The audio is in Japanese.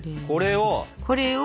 これを。